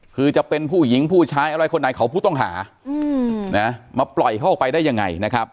คือจะเป็นผู้หญิงผู้ชายอะไรคนไหนของผู้ต้องหามาปล่อยเขาออกไปได้ยังไงนะครับ